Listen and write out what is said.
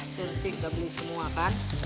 suntik gak beli semua kan